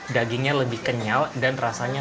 dagingnya lebih kenyal dan rasanya